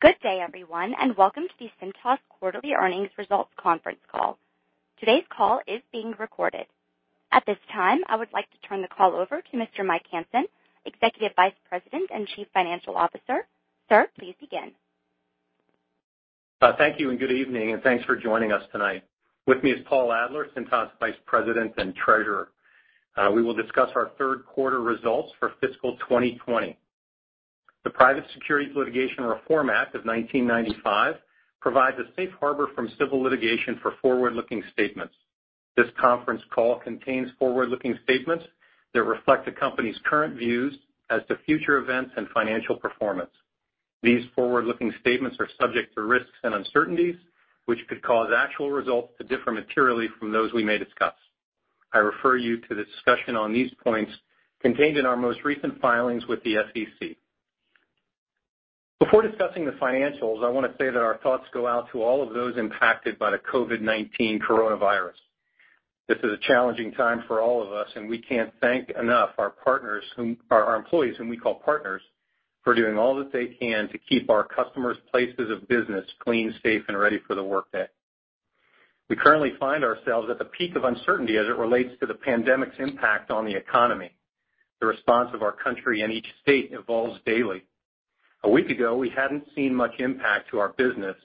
Good day, everyone, welcome to the Cintas quarterly earnings results conference call. Today's call is being recorded. At this time, I would like to turn the call over to Mr. Mike Hansen, Executive Vice President and Chief Financial Officer. Sir, please begin. Thank you, and good evening, and thanks for joining us tonight. With me is Paul Adler, Cintas Vice President and Treasurer. We will discuss our third quarter results for fiscal 2020. The Private Securities Litigation Reform Act of 1995 provides a safe harbor from civil litigation for forward-looking statements. This conference call contains forward-looking statements that reflect the company's current views as to future events and financial performance. These forward-looking statements are subject to risks and uncertainties, which could cause actual results to differ materially from those we may discuss. I refer you to the discussion on these points contained in our most recent filings with the SEC. Before discussing the financials, I want to say that our thoughts go out to all of those impacted by the COVID-19 coronavirus. This is a challenging time for all of us, and we can't thank enough our employees, whom we call partners, for doing all that they can to keep our customers' places of business clean, safe, and ready for the workday. We currently find ourselves at the peak of uncertainty as it relates to the pandemic's impact on the economy. The response of our country and each state evolves daily. A week ago, we hadn't seen much impact to our business,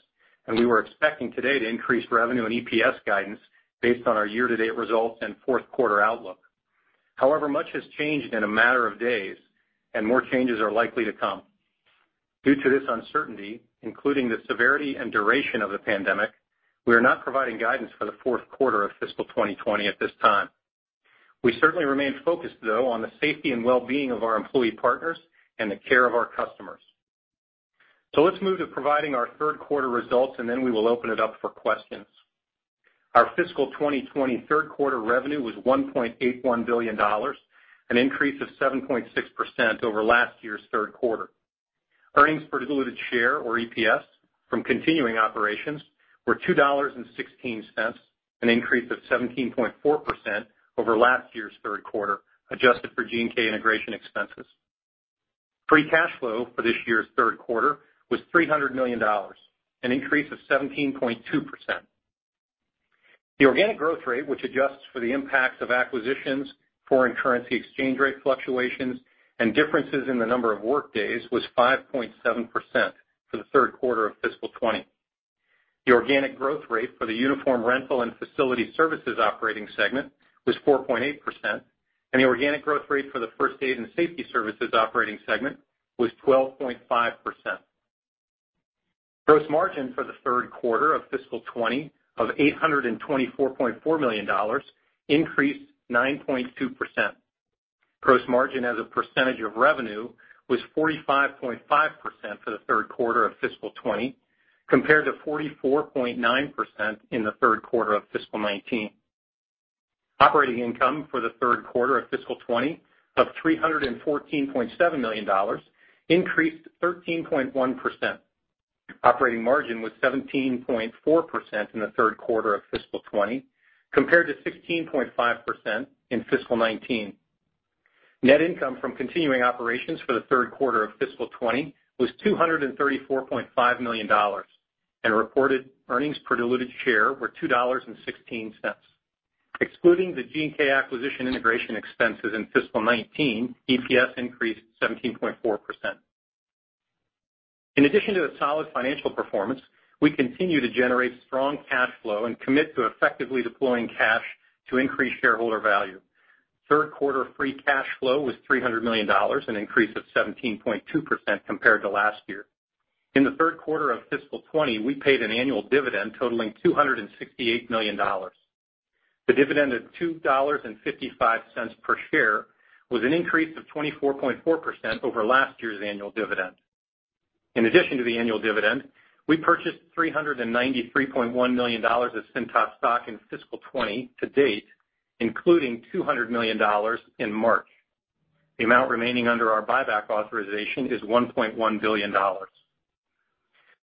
and we were expecting today to increase revenue and EPS guidance based on our year-to-date results and fourth-quarter outlook. However, much has changed in a matter of days, and more changes are likely to come. Due to this uncertainty, including the severity and duration of the pandemic, we are not providing guidance for the fourth quarter of fiscal 2020 at this time. We certainly remain focused, though, on the safety and wellbeing of our employee partners and the care of our customers. Let's move to providing our third quarter results, and then we will open it up for questions. Our fiscal 2020 third quarter revenue was $1.81 billion, an increase of 7.6% over last year's third quarter. Earnings per diluted share, or EPS, from continuing operations were $2.16, an increase of 17.4% over last year's third quarter, adjusted for G&K integration expenses. Free cash flow for this year's third quarter was $300 million, an increase of 17.2%. The organic growth rate, which adjusts for the impacts of acquisitions, foreign currency exchange rate fluctuations, and differences in the number of workdays, was 5.7% for the third quarter of fiscal 2020. The organic growth rate for the Uniform Rental and Facility Services operating segment was 4.8%, and the organic growth rate for the First Aid and Safety Services operating segment was 12.5%. Gross margin for the third quarter of fiscal 2020 of $824.4 million increased 9.2%. Gross margin as a percentage of revenue was 45.5% for the third quarter of fiscal 2020, compared to 44.9% in the third quarter of fiscal 2019. Operating income for the third quarter of fiscal 2020 of $314.7 million increased 13.1%. Operating margin was 17.4% in the third quarter of fiscal 2020, compared to 16.5% in fiscal 2019. Net income from continuing operations for the third quarter of fiscal 2020 was $234.5 million, and reported earnings per diluted share were $2.16. Excluding the G&K acquisition integration expenses in fiscal 2019, EPS increased 17.4%. In addition to the solid financial performance, we continue to generate strong cash flow and commit to effectively deploying cash to increase shareholder value. third quarter free cash flow was $300 million, an increase of 17.2% compared to last year. In the third quarter of fiscal 2020, we paid an annual dividend totaling $268 million. The dividend of $2.55 per share was an increase of 24.4% over last year's annual dividend. In addition to the annual dividend, we purchased $393.1 million of Cintas stock in fiscal 2020 to date, including $200 million in March. The amount remaining under our buyback authorization is $1.1 billion.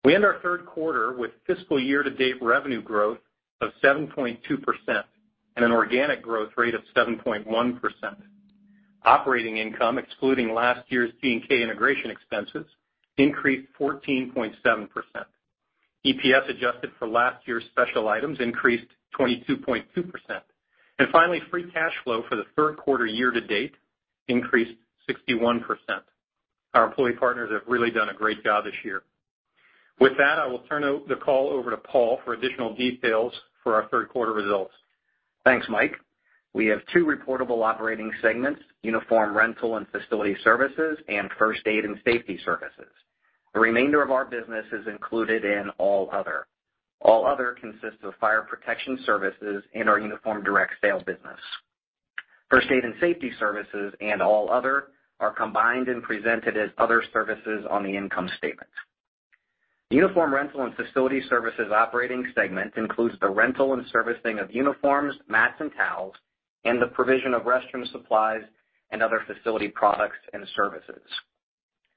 We end our third quarter with fiscal year to date revenue growth of 7.2% and an organic growth rate of 7.1%. Operating income, excluding last year's G&K integration expenses, increased 14.7%. EPS, adjusted for last year's special items, increased 22.2%. Finally, free cash flow for the third quarter year to date increased 61%. Our employee partners have really done a great job this year. With that, I will turn the call over to Paul for additional details for our third quarter results. Thanks, Mike. We have two reportable operating segments, Uniform Rental and Facility Services and First Aid and Safety Services. The remainder of our business is included in All Other. All Other consists of Fire Protection Services and our Uniform Direct Sale business. First Aid and Safety Services and All Other are combined and presented as Other Services on the income statement. The Uniform Rental and Facility Services operating segment includes the rental and servicing of uniforms, mats, and towels, and the provision of restroom supplies and other facility products and services.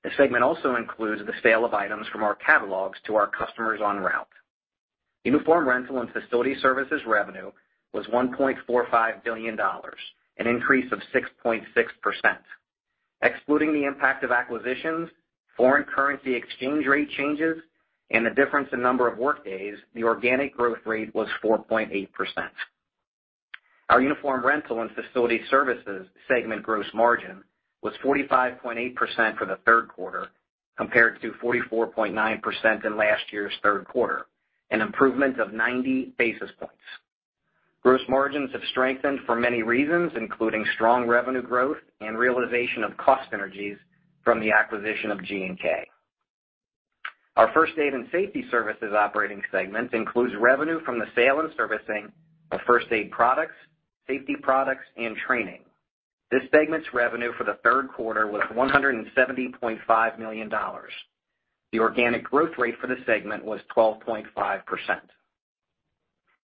This segment also includes the sale of items from our catalogs to our customers on route. Uniform Rental and Facility Services revenue was $1.45 billion, an increase of 6.6%. Excluding the impact of acquisitions, foreign currency exchange rate changes, and the difference in number of workdays, the organic growth rate was 4.8%. Our Uniform Rental and Facility Services segment gross margin was 45.8% for the third quarter compared to 44.9% in last year's third quarter, an improvement of 90 basis points. Gross margins have strengthened for many reasons, including strong revenue growth and realization of cost synergies from the acquisition of G&K. Our First Aid and Safety Services operating segment includes revenue from the sale and servicing of first aid products, safety products, and training. This segment's revenue for the third quarter was $170.5 million. The organic growth rate for the segment was 12.5%.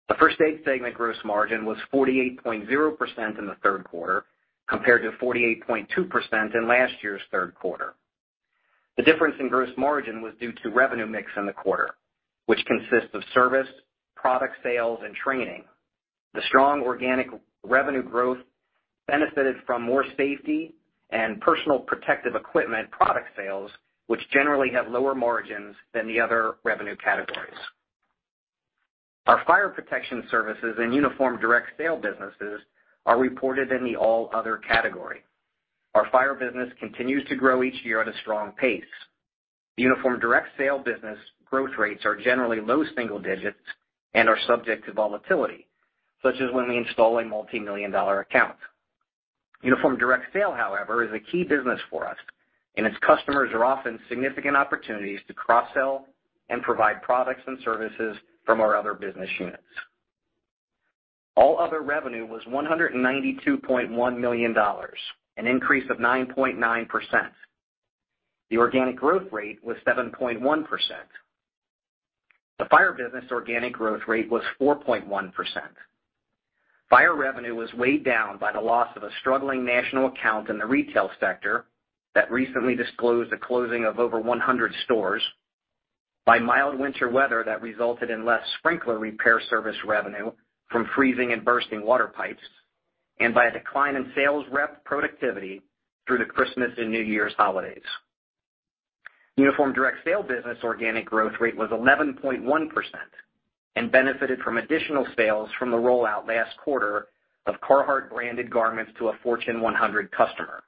The First Aid segment gross margin was 48.0% in the third quarter, compared to 48.2% in last year's third quarter. The difference in gross margin was due to revenue mix in the quarter, which consists of service, product sales, and training. The strong organic revenue growth benefited from more safety and personal protective equipment product sales, which generally have lower margins than the other revenue categories. Our Fire Protection Services and Uniform Direct Sale businesses are reported in the all other category. Our Fire business continues to grow each year at a strong pace. The Uniform Direct Sale business growth rates are generally low single digits and are subject to volatility, such as when we install a multimillion-dollar account. Uniform Direct Sale, however, is a key business for us, and its customers are often significant opportunities to cross-sell and provide products and services from our other business units. All other revenue was $192.1 million, an increase of 9.9%. The organic growth rate was 7.1%. The Fire business organic growth rate was 4.1%. Fire revenue was weighed down by the loss of a struggling national account in the retail sector that recently disclosed the closing of over 100 stores, by mild winter weather that resulted in less sprinkler repair service revenue from freezing and bursting water pipes, and by a decline in sales rep productivity through the Christmas and New Year's holidays. Uniform Direct Sale business organic growth rate was 11.1% and benefited from additional sales from the rollout last quarter of Carhartt branded garments to a Fortune 100 customer.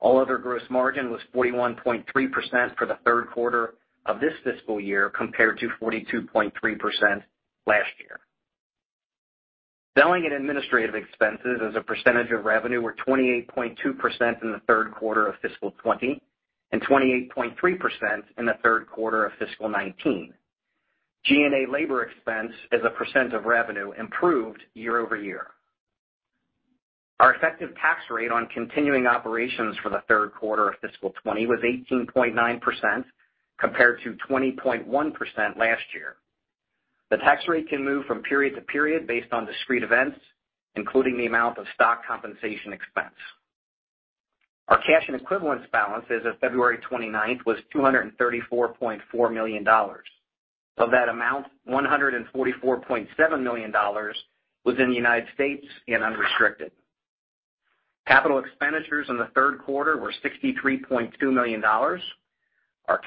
All other gross margin was 41.3% for the third quarter of this fiscal year, compared to 42.3% last year. Selling and administrative expenses as a percentage of revenue were 28.2% in the third quarter of fiscal 2020 and 28.3% in the third quarter of fiscal 2019. G&A labor expense as a percent of revenue improved year-over-year. Our effective tax rate on continuing operations for the third quarter of fiscal 2020 was 18.9%, compared to 20.1% last year. The tax rate can move from period to period based on discrete events, including the amount of stock compensation expense. Our cash and equivalents balance as of February 29th was $234.4 million. Of that amount, $144.7 million was in the United States and unrestricted. Capital expenditures in the third quarter were $63.2 million. Our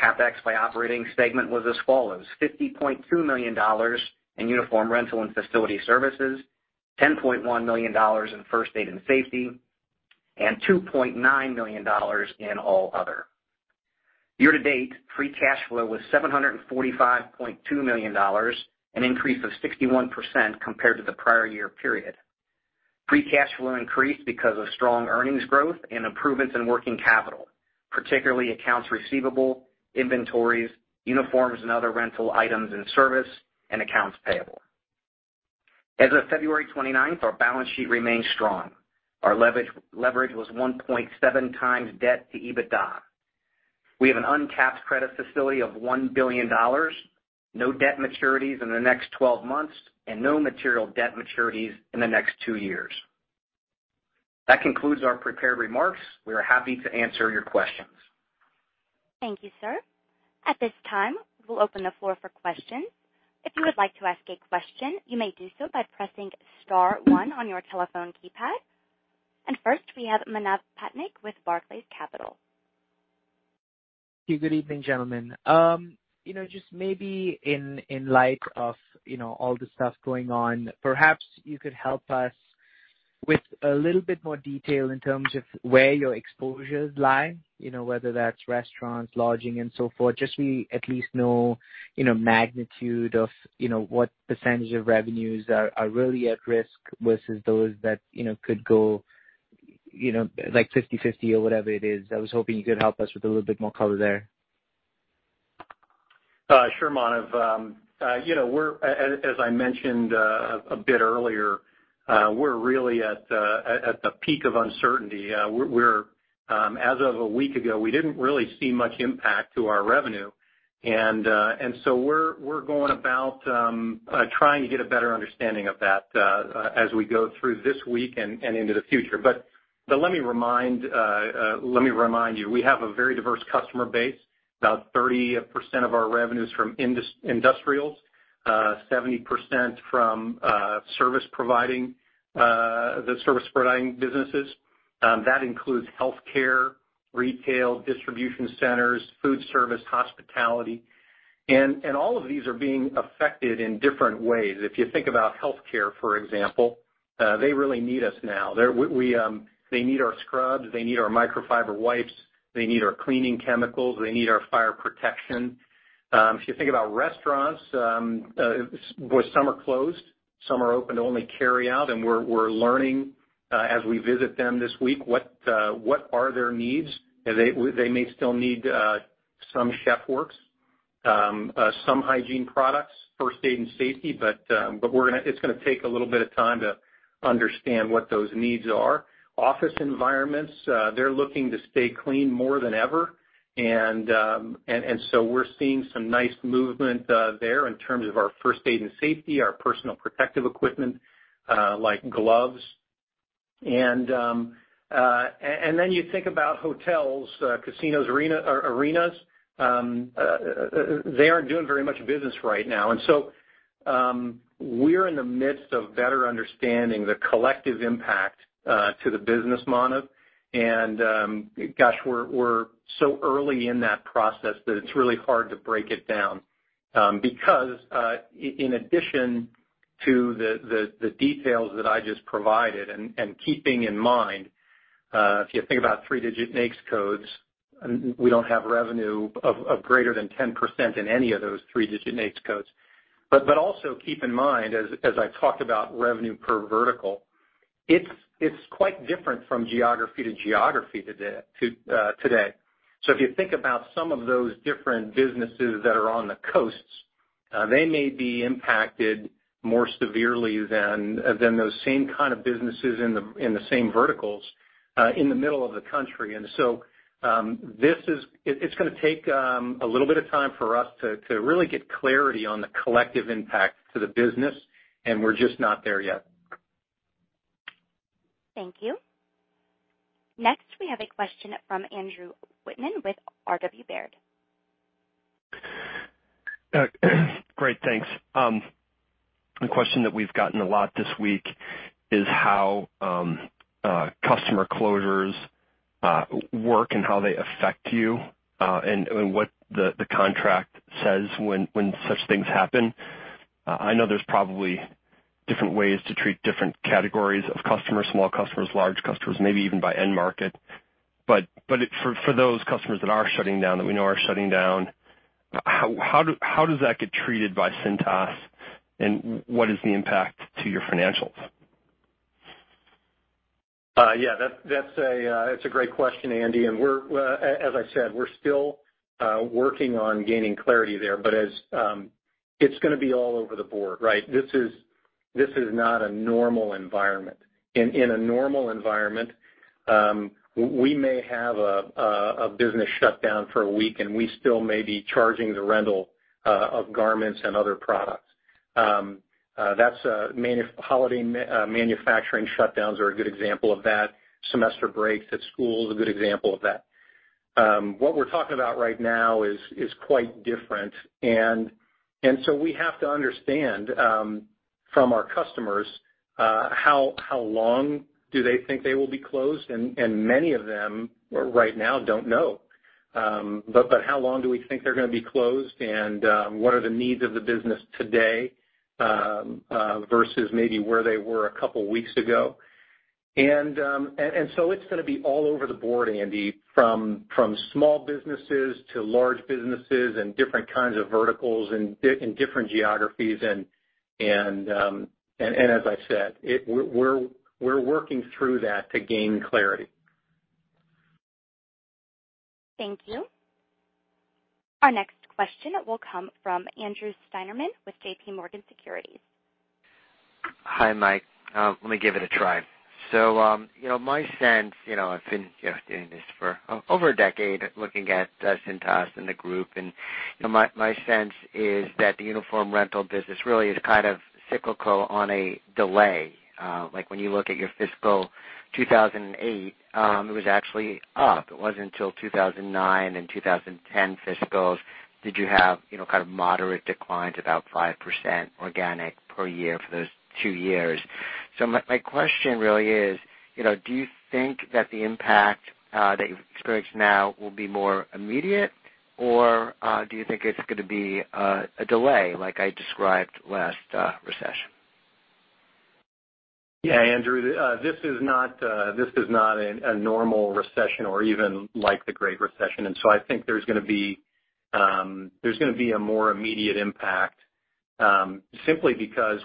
CapEx by operating segment was as follows: $50.2 million in Uniform Rental and Facility Services, $10.1 million in First Aid and Safety Services, and $2.9 million in all other. Year to date, free cash flow was $745.2 million, an increase of 61% compared to the prior year period. Free cash flow increased because of strong earnings growth and improvements in working capital, particularly accounts receivable, inventories, uniforms and other rental items and service, and accounts payable. As of February 29th, our balance sheet remains strong. Our leverage was 1.7 times debt to EBITDA. We have an untapped credit facility of $1 billion, no debt maturities in the next 12 months, and no material debt maturities in the next two years. That concludes our prepared remarks. We are happy to answer your questions. Thank you, sir. At this time, we'll open the floor for questions. If you would like to ask a question, you may do so by pressing star one on your telephone keypad. First, we have Manav Patnaik with Barclays Capital. Good evening, gentlemen. Just maybe in light of all the stuff going on, perhaps you could help us with a little bit more detail in terms of where your exposures lie, whether that's restaurants, lodging, and so forth, just so we at least know magnitude of what percentage of revenues are really at risk versus those that could go like 50/50 or whatever it is. I was hoping you could help us with a little bit more color there. Sure, Manav. As I mentioned a bit earlier, we're really at the peak of uncertainty. As of a week ago, we didn't really see much impact to our revenue, and so we're going about trying to get a better understanding of that as we go through this week and into the future. Let me remind you, we have a very diverse customer base. About 30% of our revenue's from industrials, 70% from the service-providing businesses. That includes healthcare, retail, distribution centers, food service, hospitality, and all of these are being affected in different ways. If you think about healthcare, for example, they really need us now. They need our scrubs, they need our microfiber wipes, they need our cleaning chemicals, they need our Fire Protection. If you think about restaurants, some are closed, some are open to only carryout, and we're learning as we visit them this week what are their needs. They may still need some Chef Works, some hygiene products, First Aid and Safety, but it's going to take a little bit of time to understand what those needs are. Office environments, they're looking to stay clean more than ever, we're seeing some nice movement there in terms of our First Aid and Safety, our personal protective equipment like gloves. You think about hotels, casinos, arenas, they aren't doing very much business right now. We're in the midst of better understanding the collective impact to the business, Manav, and gosh, we're so early in that process that it's really hard to break it down. In addition to the details that I just provided, and keeping in mind, if you think about three-digit NAICS codes, we don't have revenue of greater than 10% in any of those three-digit NAICS codes. Also keep in mind, as I talked about revenue per vertical, it's quite different from geography to geography today. If you think about some of those different businesses that are on the coasts, they may be impacted more severely than those same kind of businesses in the same verticals in the middle of the country. It's going to take a little bit of time for us to really get clarity on the collective impact to the business, and we're just not there yet. Thank you. Next, we have a question from Andrew Wittmann with R.W. Baird. Great, thanks. The question that we've gotten a lot this week is how customer closures work and how they affect you, and what the contract says when such things happen. I know there's probably different ways to treat different categories of customers, small customers, large customers, maybe even by end market. For those customers that we know are shutting down, how does that get treated by Cintas, and what is the impact to your financials? Yeah, that's a great question, Andy, and as I said, we're still working on gaining clarity there. It's going to be all over the board, right? This is not a normal environment. In a normal environment, we may have a business shut down for a week, and we still may be charging the rental of garments and other products. Holiday manufacturing shutdowns are a good example of that. Semester breaks at school is a good example of that. What we're talking about right now is quite different. We have to understand from our customers how long do they think they will be closed, and many of them right now don't know. How long do we think they're going to be closed, and what are the needs of the business today versus maybe where they were a couple of weeks ago. It's going to be all over the board, Andy, from small businesses to large businesses and different kinds of verticals and different geographies. As I said, we're working through that to gain clarity. Thank you. Our next question will come from Andrew Steinerman with JPMorgan Securities. Hi, Mike. Let me give it a try. My sense, I've been doing this for over a decade, looking at Cintas and the group, and my sense is that the uniform rental business really is kind of cyclical on a delay. When you look at your fiscal 2008, it was actually up. It wasn't until 2009 and 2010 fiscals did you have kind of moderate declines, about 5% organic per year for those two years. My question really is, do you think that the impact that you've experienced now will be more immediate, or do you think it's going to be a delay like I described last recession? Yeah, Andrew, this is not a normal recession or even like the Great Recession. I think there's going to be a more immediate impact, simply because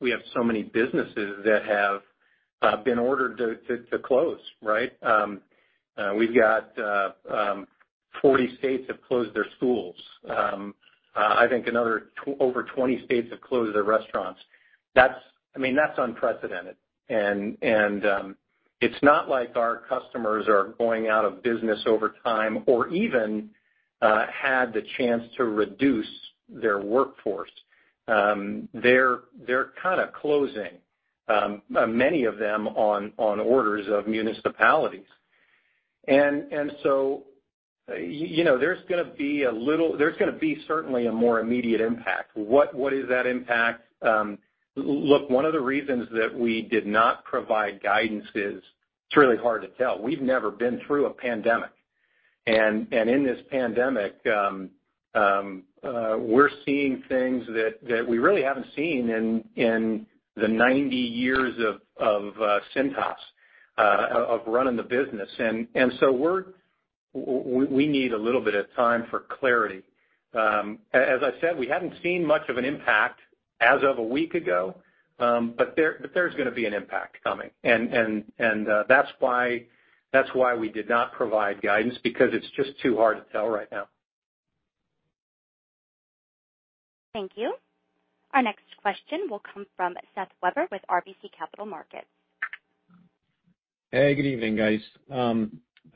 we have so many businesses that have been ordered to close, right? We've got 40 states have closed their schools. I think over 20 states have closed their restaurants. That's unprecedented. It's not like our customers are going out of business over time or even had the chance to reduce their workforce. They're kind of closing, many of them on orders of municipalities. There's going to be certainly a more immediate impact. What is that impact? Look, one of the reasons that we did not provide guidance is it's really hard to tell. We've never been through a pandemic. In this pandemic, we're seeing things that we really haven't seen in the 90 years of Cintas, of running the business. We need a little bit of time for clarity. As I said, we haven't seen much of an impact as of a week ago. There's going to be an impact coming. That's why we did not provide guidance, because it's just too hard to tell right now. Thank you. Our next question will come from Seth Weber with RBC Capital Markets. Hey, good evening, guys.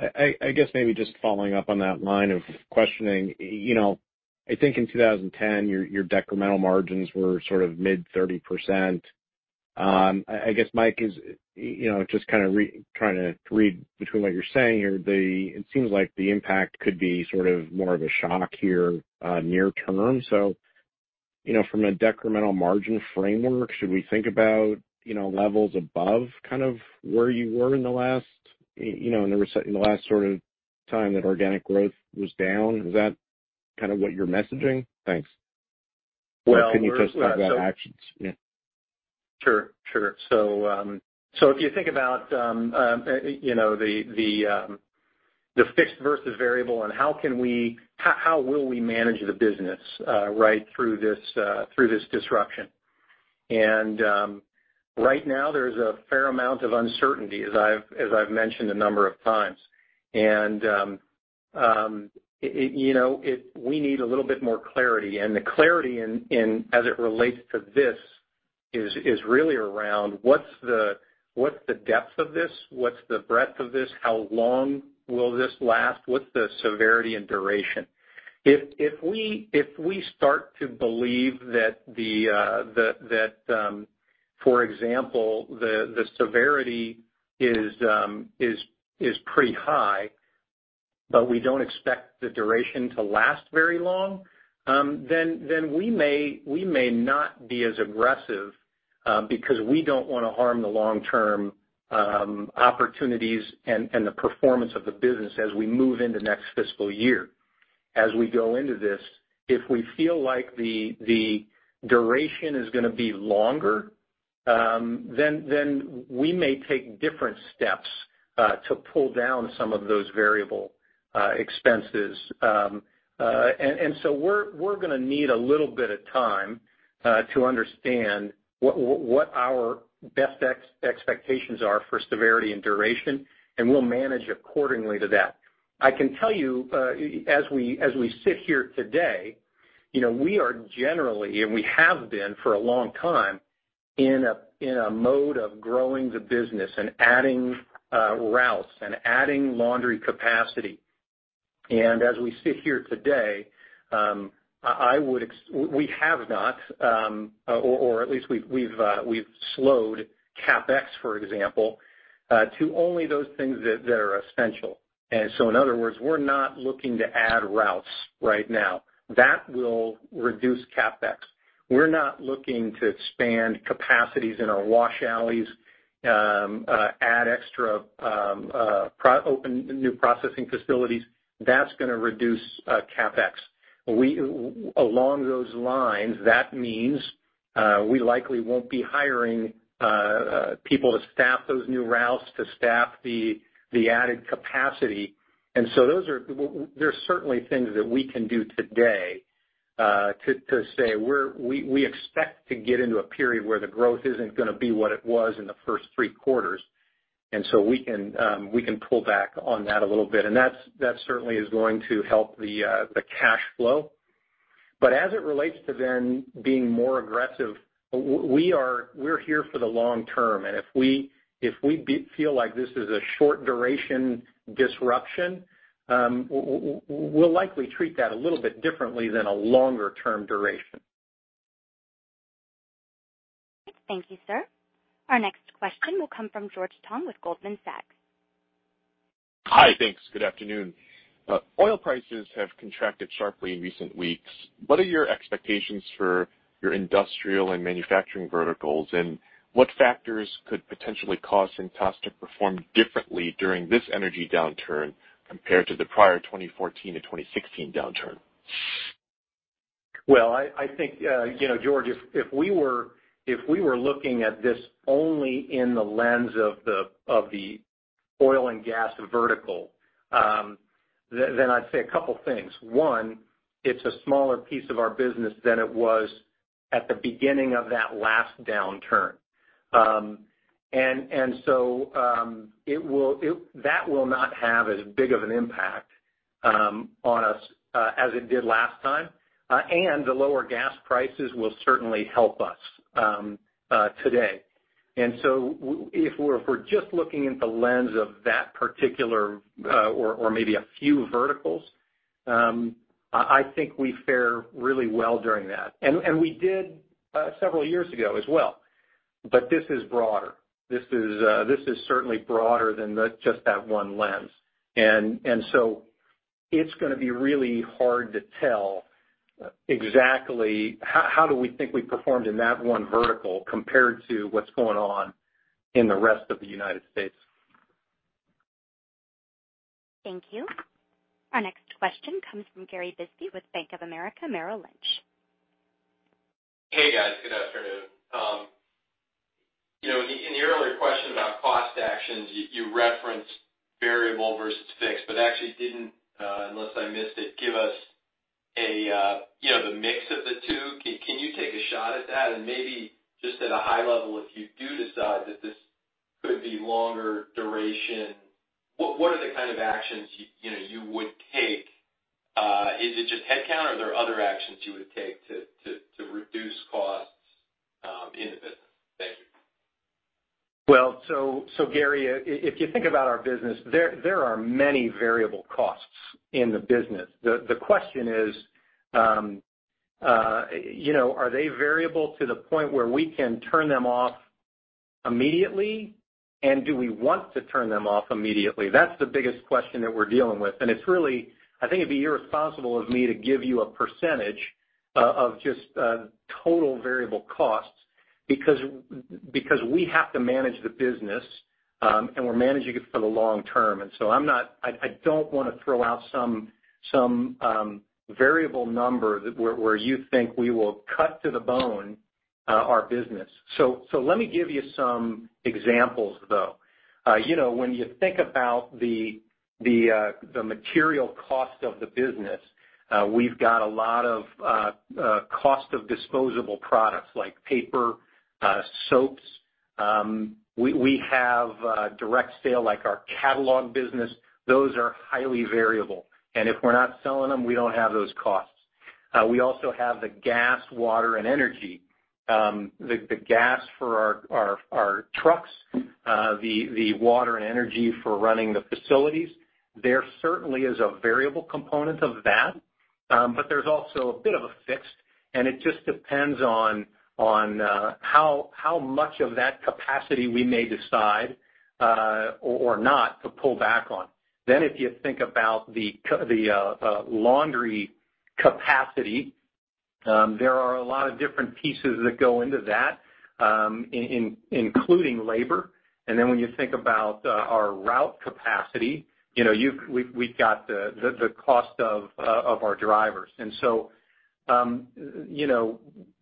I guess maybe just following up on that line of questioning. I think in 2010, your decremental margins were sort of mid 30%. I guess, Mike, just kind of trying to read between what you're saying here, it seems like the impact could be sort of more of a shock here near term. From a decremental margin framework, should we think about levels above kind of where you were in the last sort of time that organic growth was down? Is that kind of what you're messaging? Thanks. Can you just talk about actions? Yeah. Sure. If you think about the fixed versus variable and how will we manage the business right through this disruption. Right now, there's a fair amount of uncertainty, as I've mentioned a number of times. We need a little bit more clarity. The clarity as it relates to this is really around what's the depth of this? What's the breadth of this? How long will this last? What's the severity and duration? If we start to believe that, for example, the severity is pretty high, but we don't expect the duration to last very long, then we may not be as aggressive because we don't want to harm the long-term opportunities and the performance of the business as we move into next fiscal year. As we go into this, if we feel like the duration is going to be longer, then we may take different steps to pull down some of those variable expenses. We're going to need a little bit of time to understand what our best expectations are for severity and duration, and we'll manage accordingly to that. I can tell you, as we sit here today, we are generally, and we have been for a long time, in a mode of growing the business and adding routes and adding laundry capacity. As we sit here today, we have not or at least we've slowed CapEx, for example, to only those things that are essential. In other words, we're not looking to add routes right now. That will reduce CapEx. We're not looking to expand capacities in our wash alleys, open new processing facilities. That's going to reduce CapEx. Along those lines, that means we likely won't be hiring people to staff those new routes, to staff the added capacity. There's certainly things that we can do today to say we expect to get into a period where the growth isn't going to be what it was in the first three quarters. We can pull back on that a little bit. That certainly is going to help the cash flow. As it relates to then being more aggressive, we're here for the long term. If we feel like this is a short duration disruption, we'll likely treat that a little bit differently than a longer-term duration. Thank you, sir. Our next question will come from George Tong with Goldman Sachs. Hi, thanks. Good afternoon. Oil prices have contracted sharply in recent weeks. What are your expectations for your industrial and manufacturing verticals, and what factors could potentially cause Cintas to perform differently during this energy downturn compared to the prior 2014-2016 downturn? I think, George, if we were looking at this only in the lens of the oil and gas vertical, I'd say a couple things. One, it's a smaller piece of our business than it was at the beginning of that last downturn. That will not have as big of an impact on us as it did last time. The lower gas prices will certainly help us today. If we're just looking at the lens of that particular or maybe a few verticals, I think we fare really well during that. We did several years ago as well. This is broader. This is certainly broader than just that one lens. It's going to be really hard to tell exactly how do we think we performed in that one vertical compared to what's going on in the rest of the United States. Thank you. Our next question comes from Gary Bisbee with Bank of America Merrill Lynch. Hey, guys. Good afternoon. In your earlier question about cost actions, you referenced variable versus fixed, but actually didn't, unless I missed it, give us the mix of the two. Can you take a shot at that? Maybe just at a high level, if you do decide that this could be longer duration, what are the kind of actions you would take? Is it just headcount, or are there other actions you would take to reduce costs in the business? Thank you. Well, Gary, if you think about our business, there are many variable costs in the business. The question is, are they variable to the point where we can turn them off immediately and do we want to turn them off immediately? That's the biggest question that we're dealing with. I think it'd be irresponsible of me to give you a % of just total variable costs because we have to manage the business, and we're managing it for the long term. I don't want to throw out some variable number where you think we will cut to the bone our business. Let me give you some examples, though. When you think about the material cost of the business, we've got a lot of cost of disposable products like paper, soaps. We have Direct Sale like our catalog business. Those are highly variable, and if we're not selling them, we don't have those costs. We also have the gas, water, and energy. The gas for our trucks, the water and energy for running the facilities. There certainly is a variable component of that. There's also a bit of a fixed, and it just depends on how much of that capacity we may decide or not to pull back on. If you think about the laundry capacity, there are a lot of different pieces that go into that, including labor. When you think about our route capacity, we've got the cost of our drivers.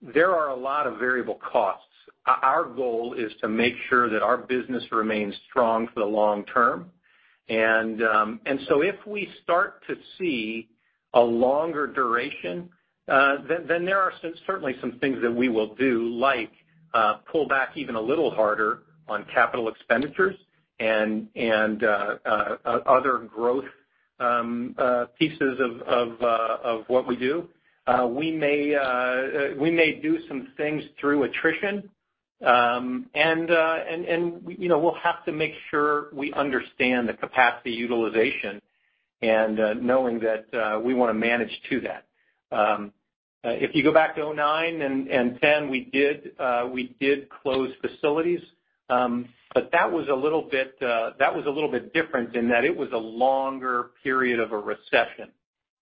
There are a lot of variable costs. Our goal is to make sure that our business remains strong for the long term. If we start to see a longer duration, then there are certainly some things that we will do, like pull back even a little harder on capital expenditures and other growth pieces of what we do. We may do some things through attrition. We'll have to make sure we understand the capacity utilization and knowing that we want to manage to that. If you go back to 2009 and 2010, we did close facilities. That was a little bit different in that it was a longer period of a recession.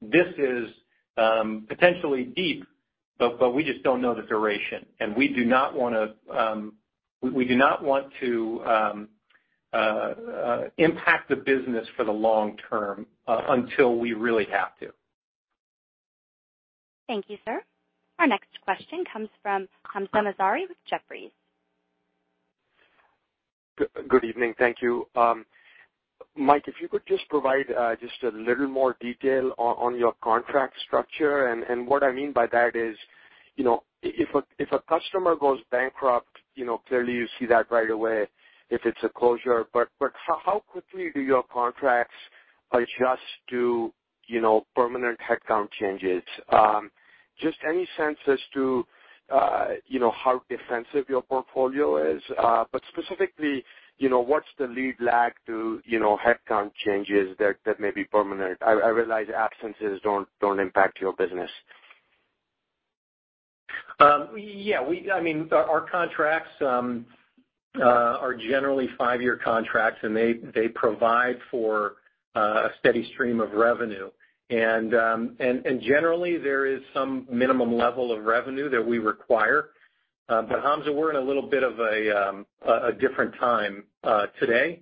This is potentially deep, but we just don't know the duration, and we do not want to impact the business for the long term until we really have to. Thank you, sir. Our next question comes from Hamzah Mazari with Jefferies. Good evening. Thank you. Mike, if you could just provide just a little more detail on your contract structure, and what I mean by that is, if a customer goes bankrupt, clearly you see that right away if it's a closure. How quickly do your contracts adjust to permanent headcount changes? Just any sense as to how defensive your portfolio is. Specifically, what's the lead lag to headcount changes that may be permanent? I realize absences don't impact your business. Yeah. Our contracts are generally five-year contracts, and they provide for a steady stream of revenue. Generally, there is some minimum level of revenue that we require. Hamzah, we're in a little bit of a different time today.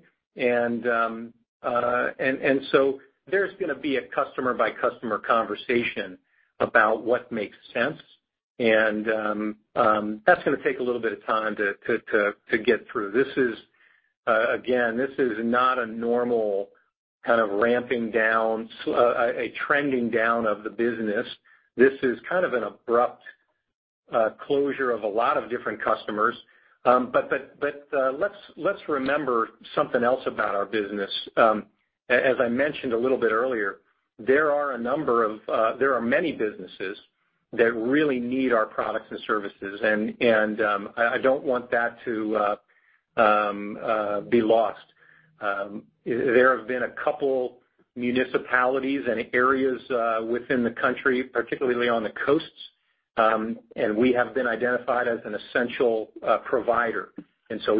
So there's going to be a customer by customer conversation about what makes sense, and that's going to take a little bit of time to get through. Again, this is not a normal kind of ramping down, a trending down of the business. This is kind of an abrupt closure of a lot of different customers. Let's remember something else about our business. As I mentioned a little bit earlier, there are many businesses that really need our products and services, and I don't want that to be lost. There have been a couple municipalities and areas within the country, particularly on the coasts, we have been identified as an essential provider.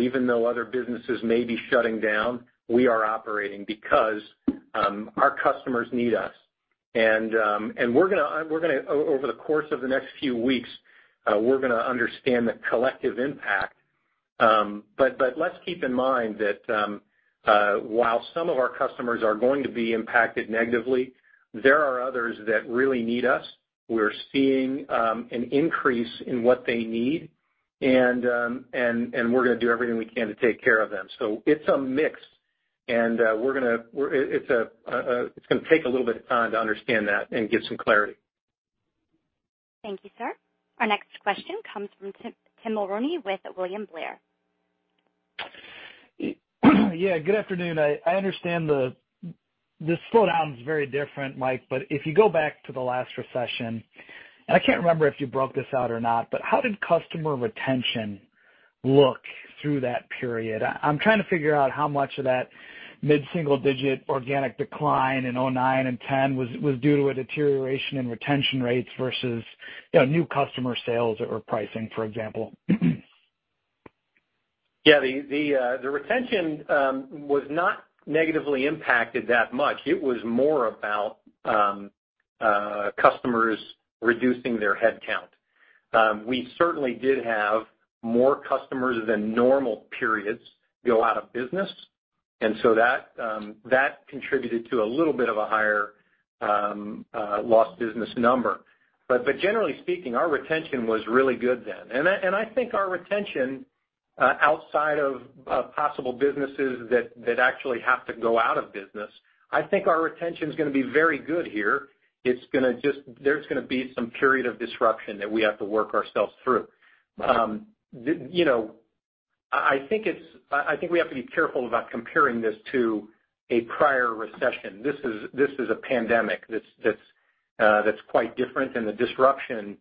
Even though other businesses may be shutting down, we are operating because our customers need us. Over the course of the next few weeks, we're going to understand the collective impact. Let's keep in mind that while some of our customers are going to be impacted negatively, there are others that really need us. We're seeing an increase in what they need, we're going to do everything we can to take care of them. It's a mix, it's going to take a little bit of time to understand that and give some clarity. Thank you, sir. Our next question comes from Tim Mulrooney with William Blair. Yeah, good afternoon. I understand this slowdown is very different, Mike, but if you go back to the last recession, and I can't remember if you broke this out or not, how did customer retention look through that period? I'm trying to figure out how much of that mid-single-digit organic decline in 2009 and 2010 was due to a deterioration in retention rates versus new customer sales or pricing, for example. Yeah. The retention was not negatively impacted that much. It was more about customers reducing their headcount. That contributed to a little bit of a higher lost business number. Generally speaking, our retention was really good then. I think our retention, outside of possible businesses that actually have to go out of business, I think our retention is going to be very good here. There's going to be some period of disruption that we have to work ourselves through. I think we have to be careful about comparing this to a prior recession. This is a pandemic that's quite different. The disruption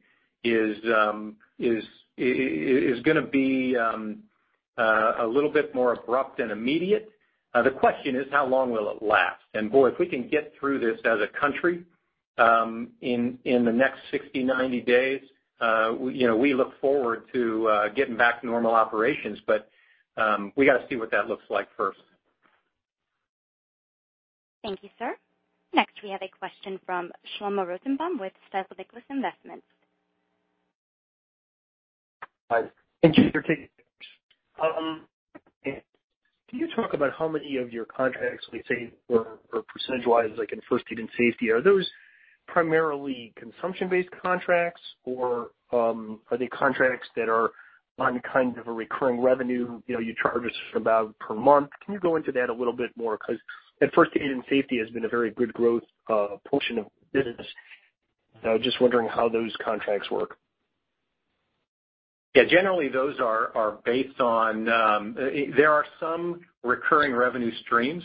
is going to be a little bit more abrupt and immediate. The question is how long will it last? Boy, if we can get through this as a country in the next 60, 90 days, we look forward to getting back to normal operations, but we got to see what that looks like first. Thank you, sir. Next, we have a question from Shlomo Rosenbaum with Stifel Nicolaus Investments. Hi. Thank you for taking this. Can you talk about how many of your contracts, let's say, or percentage-wise, like in First Aid and Safety, are those primarily consumption-based contracts, or are they contracts that are on kind of a recurring revenue, you charge us about per month? Can you go into that a little bit more? First Aid and Safety has been a very good growth portion of the business. I was just wondering how those contracts work. Yeah. There are some recurring revenue streams.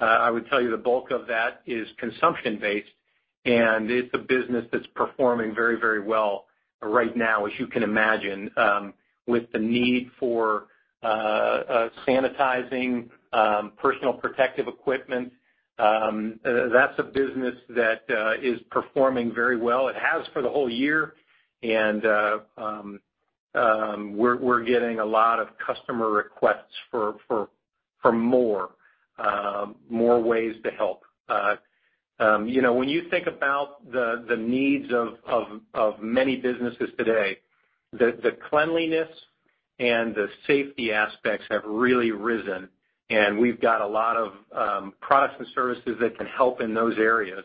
I would tell you the bulk of that is consumption-based, and it's a business that's performing very well right now, as you can imagine, with the need for sanitizing personal protective equipment. That's a business that is performing very well. It has for the whole year, and we're getting a lot of customer requests for more ways to help. When you think about the needs of many businesses today, the cleanliness and the safety aspects have really risen, and we've got a lot of products and services that can help in those areas.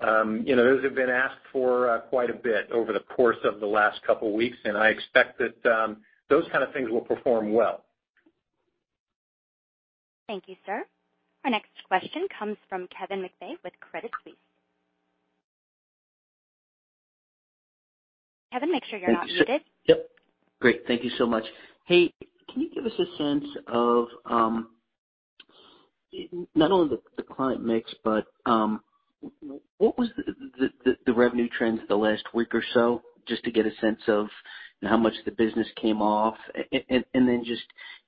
Those have been asked for quite a bit over the course of the last couple of weeks, and I expect that those kind of things will perform well. Thank you, sir. Our next question comes from Kevin McVeigh with Credit Suisse. Kevin, make sure you're unmuted. Yep. Great. Thank you so much. Hey, can you give us a sense of not only the client mix, but what was the revenue trends the last week or so, just to get a sense of how much the business came off? Then just,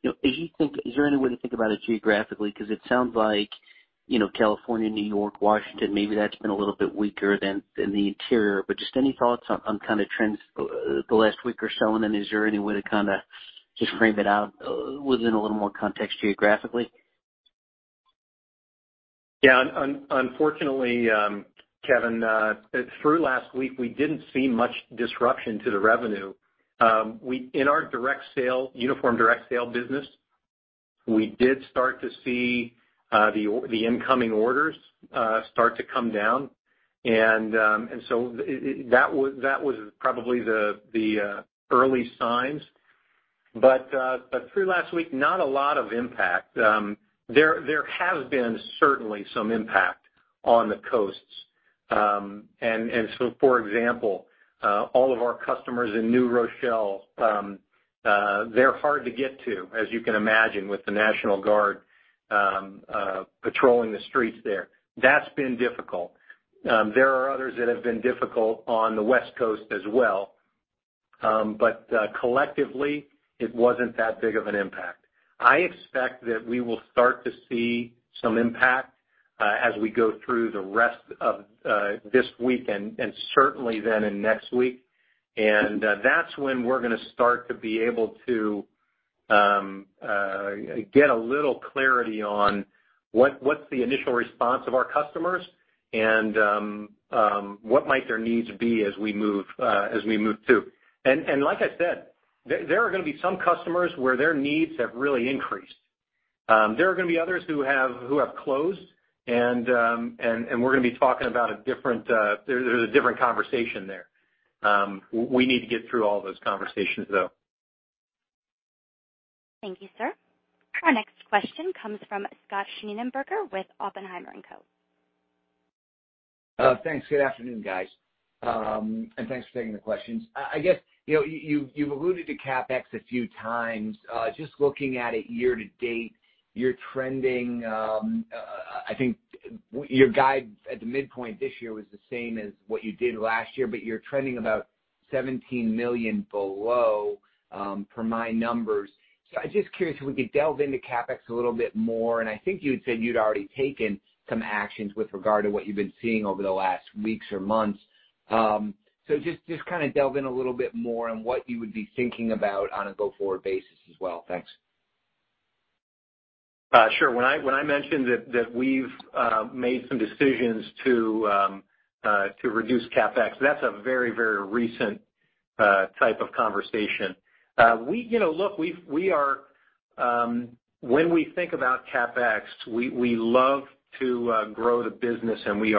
is there any way to think about it geographically? Because it sounds like California, New York, Washington, maybe that's been a little bit weaker than the interior. Just any thoughts on kind of trends the last week or so, and then is there any way to kind of just frame it out within a little more context geographically? Unfortunately, Kevin, through last week, we didn't see much disruption to the revenue. In our Uniform Direct Sale business, we did start to see the incoming orders start to come down. That was probably the early signs. Through last week, not a lot of impact. There has been certainly some impact on the coasts. For example, all of our customers in New Rochelle. They're hard to get to, as you can imagine, with the National Guard patrolling the streets there. That's been difficult. There are others that have been difficult on the West Coast as well. Collectively, it wasn't that big of an impact. I expect that we will start to see some impact as we go through the rest of this week and certainly then in next week. That's when we're going to start to be able to get a little clarity on what's the initial response of our customers and what might their needs be as we move to. Like I said, there are going to be some customers where their needs have really increased. There are going to be others who have closed, and we're going to be talking about a different conversation there. We need to get through all those conversations, though. Thank you, sir. Our next question comes from Scott Schneeberger with Oppenheimer & Co. Thanks. Good afternoon, guys. Thanks for taking the questions. I guess, you've alluded to CapEx a few times. Just looking at it year-to-date, you're trending, I think your guide at the midpoint this year was the same as what you did last year, but you're trending about $17 million below, per my numbers. I'm just curious if we could delve into CapEx a little bit more, and I think you had said you'd already taken some actions with regard to what you've been seeing over the last weeks or months. Just kind of delve in a little bit more on what you would be thinking about on a go-forward basis as well. Thanks. Sure. When I mentioned that we've made some decisions to reduce CapEx, that's a very recent type of conversation. When we think about CapEx, we love to grow the business, and we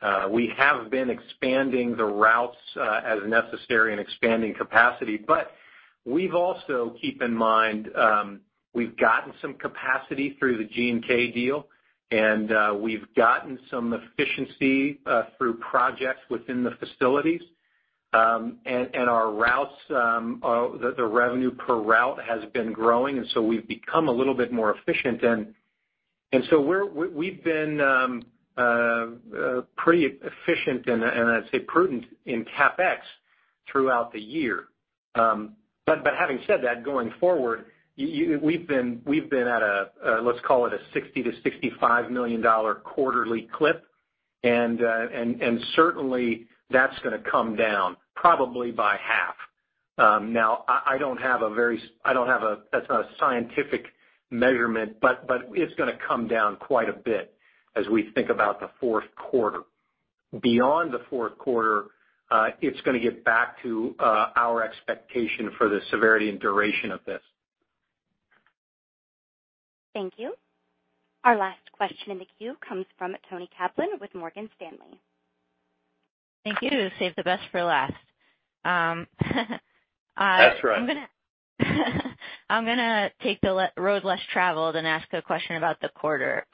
have been expanding the routes as necessary and expanding capacity. We've also, keep in mind, we've gotten some capacity through the G&K deal, and we've gotten some efficiency through projects within the facilities. Our routes, the revenue per route has been growing, and so we've become a little bit more efficient. So we've been pretty efficient and I'd say prudent in CapEx throughout the year. Having said that, going forward, we've been at a, let's call it a $60 million-$65 million quarterly clip. Certainly, that's going to come down probably by half. Now, that's not a scientific measurement, but it's going to come down quite a bit as we think about the fourth quarter. Beyond the fourth quarter, it's going to get back to our expectation for the severity and duration of this. Thank you. Our last question in the queue comes from Toni Kaplan with Morgan Stanley. Thank you. Saved the best for last. That's right. I'm gonna take the road less traveled and ask a question about the quarter.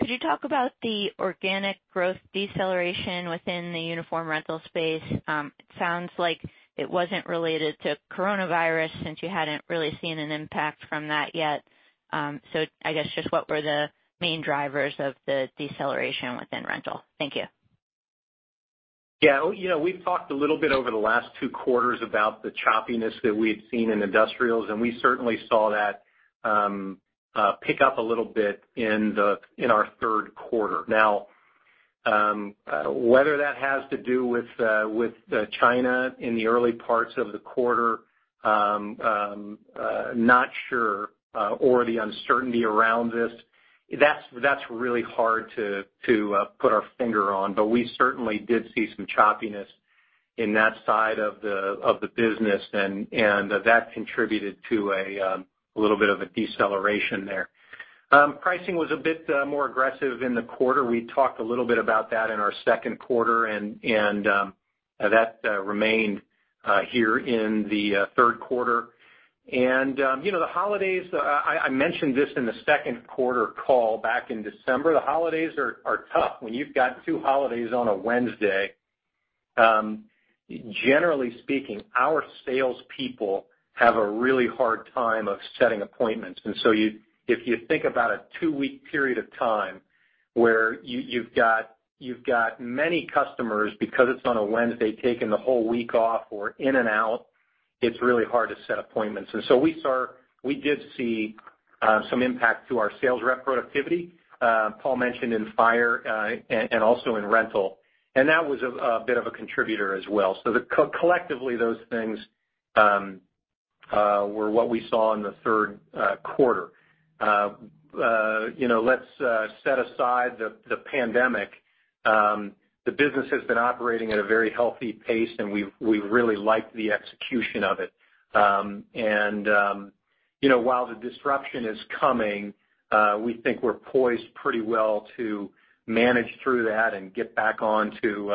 Could you talk about the organic growth deceleration within the uniform rental space? It sounds like it wasn't related to coronavirus since you hadn't really seen an impact from that yet. I guess just what were the main drivers of the deceleration within rental? Thank you. Yeah. We've talked a little bit over the last 2 quarters about the choppiness that we had seen in industrials, and we certainly saw that pick up a little bit in our 3rd quarter. Whether that has to do with China in the early parts of the quarter, not sure, or the uncertainty around this, that's really hard to put our finger on. We certainly did see some choppiness in that side of the business, and that contributed to a little bit of a deceleration there. Pricing was a bit more aggressive in the quarter. We talked a little bit about that in our 2nd quarter, and that remained here in the 3rd quarter. The holidays, I mentioned this in the 2nd quarter call back in December, the holidays are tough when you've got 2 holidays on a Wednesday. Generally speaking, our salespeople have a really hard time of setting appointments. If you think about a two-week period of time where you've got many customers, because it's on a Wednesday, taking the whole week off or in and out, it's really hard to set appointments. We did see some impact to our sales rep productivity. Paul mentioned in Fire, and also in Rental. That was a bit of a contributor as well. Collectively, those things were what we saw in the third quarter. Let's set aside the pandemic. The business has been operating at a very healthy pace, and we really like the execution of it. While the disruption is coming, we think we're poised pretty well to manage through that and get back on to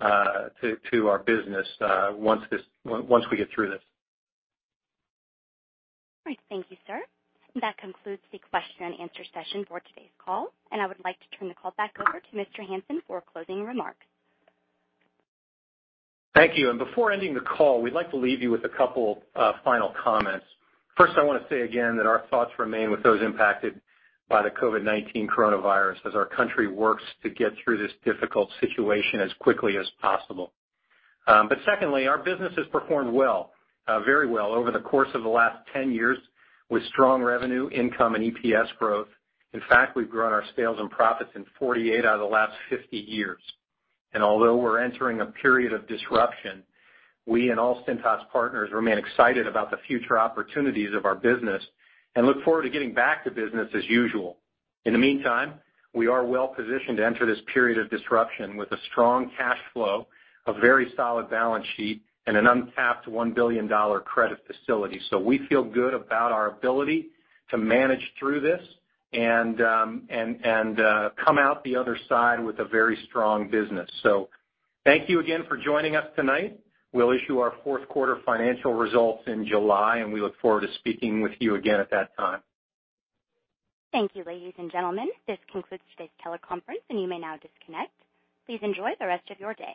our business once we get through this. All right. Thank you, sir. That concludes the question and answer session for today's call. I would like to turn the call back over to Mr. Hansen for closing remarks. Thank you. Before ending the call, we'd like to leave you with a couple final comments. First, I want to say again that our thoughts remain with those impacted by the COVID-19 coronavirus as our country works to get through this difficult situation as quickly as possible. Secondly, our business has performed well, very well, over the course of the last 10 years, with strong revenue, income, and EPS growth. In fact, we've grown our sales and profits in 48 out of the last 50 years. Although we're entering a period of disruption, we and all Cintas partners remain excited about the future opportunities of our business and look forward to getting back to business as usual. In the meantime, we are well positioned to enter this period of disruption with a strong cash flow, a very solid balance sheet, and an untapped $1 billion dollar credit facility. We feel good about our ability to manage through this and come out the other side with a very strong business. Thank you again for joining us tonight. We'll issue our fourth quarter financial results in July, and we look forward to speaking with you again at that time. Thank you, ladies and gentlemen. This concludes today's teleconference, and you may now disconnect. Please enjoy the rest of your day.